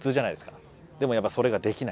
でもやっぱそれができない。